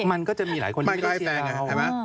มันก็จะมีหลายคนที่ไม่ได้เชียร์เรา